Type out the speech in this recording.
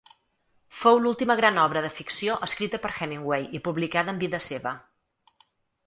Fou l'última gran obra de ficció escrita per Hemingway i publicada en vida seva.